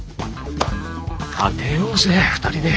当てようぜ２人で。